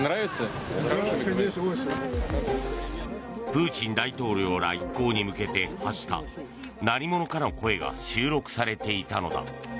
プーチン大統領ら一行に向けて発した何者かの声が収録されていたのだ。